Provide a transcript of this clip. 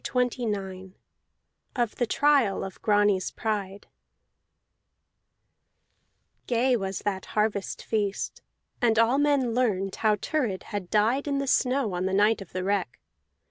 CHAPTER XXIX OF THE TRIAL OF GRANTS PRIDE Gay was that harvest feast, and all men learned how Thurid had died in the snow on the night of the wreck.